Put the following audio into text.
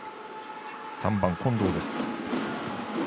３番、近藤です。